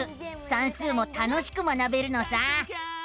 算数も楽しく学べるのさ！